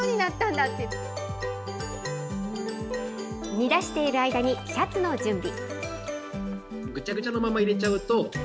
煮出している間にシャツの準備。